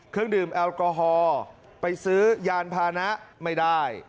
เครื่องดื่มแอลกอฮอล์ไปซื้อยานพานะไม่ได้